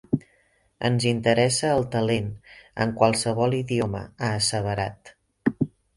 “Ens interessa el talent en qualsevol idioma”, ha asseverat.